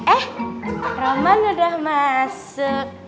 eh roman udah masuk